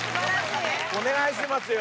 お願いしますよ。